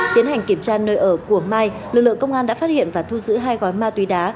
tiến hành kiểm tra nơi ở của mai lực lượng công an đã phát hiện và thu giữ hai gói ma túy đá